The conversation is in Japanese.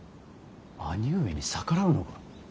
兄上に逆らうのか。